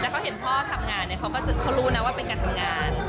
เขาเห็นพ่อทำงานเขารู้นะว่าเป็นการทำงาน